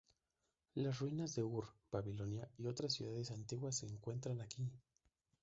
Las ruinas de Ur, Babilonia y otras ciudades antiguas se encuentran aquí.